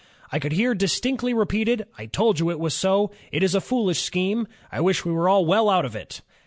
I could hear distinctly repeated, 'I told you it was so; it is a foolish scheme; I wish we were well out of it.'"